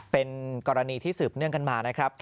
เป็นกรณีที่สืบเนื่องกันมานะครับ